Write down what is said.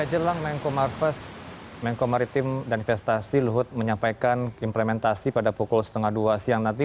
jelang menko maritim dan investasi luhut menyampaikan implementasi pada pukul setengah dua siang nanti